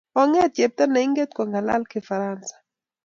onget chepto neinget kong'alal kifaransa